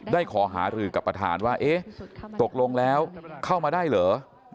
ขอหารือกับประธานว่าเอ๊ะตกลงแล้วเข้ามาได้เหรอ